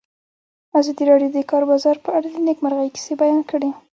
ازادي راډیو د د کار بازار په اړه د نېکمرغۍ کیسې بیان کړې.